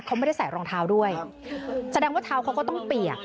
เขาไม่ได้ใส่รองเท้าด้วยแสดงว่าเท้าเขาก็ต้องเปียก